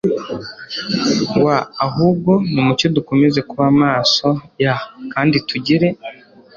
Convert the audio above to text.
w ahubwo nimucyo dukomeze kuba maso y kandi tugire